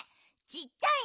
ちっちゃい？